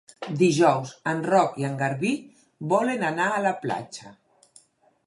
Dijous en Roc i en Garbí volen anar a la platja.